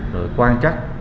rồi quan trắc